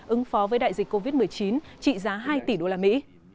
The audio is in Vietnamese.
ứng phó với đại dịch covid một mươi chín trị giá hai tỷ đô la mỹ